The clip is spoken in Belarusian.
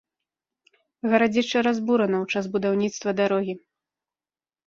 Гарадзішча разбурана ў час будаўніцтва дарогі.